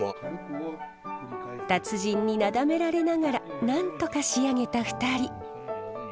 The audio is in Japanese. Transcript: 達人になだめられながらなんとか仕上げた２人。